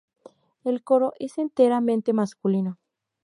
El coro es enteramente masculino.